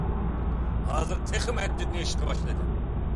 ھازىر تېخىمۇ ھەددىدىن ئېشىشقا باشلىدى.